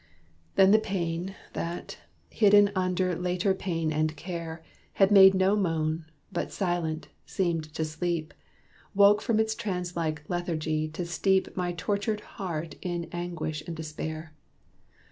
Then the pain That, hidden under later pain and care, Had made no moan, but silent, seemed to sleep, Woke from its trance like lethargy, to steep My tortured heart in anguish and despair.